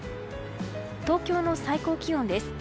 東京の最高気温です。